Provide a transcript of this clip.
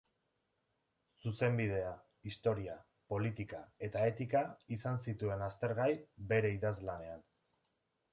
Zuzenbidea, historia, politika eta etika izan zituen aztergai bere idazlanetan.